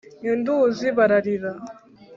i nduzi bararira.